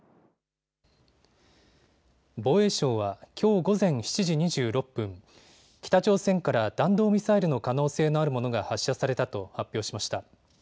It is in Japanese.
防衛省はきょう午前７時２６分、北朝鮮から弾道ミサイルの可能性のあるものが発射されたと発表しました。